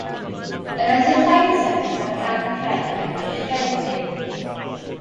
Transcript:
Yr oedd hithau yn sefyll ar y darn pren a'i breichiau ymhleth.